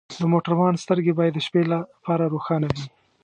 د موټروان سترګې باید د شپې لپاره روښانه وي.